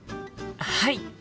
はい！